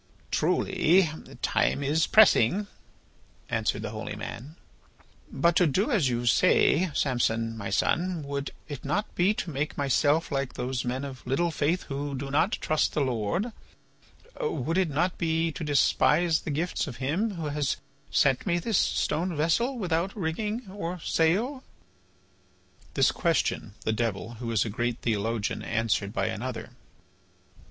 "Truly time is pressing," answered the holy man. "But to do as you say, Samson, my son, would it not be to make myself like those men of little faith who do not trust the Lord? Would it not be to despise the gifts of Him who has sent me this stone vessel without rigging or sail?" This question, the Devil, who is a great theologian, answered by another.